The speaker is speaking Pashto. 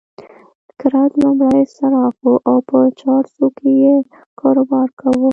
کرت لومړی صراف وو او په چارسو کې يې کاروبار کاوه.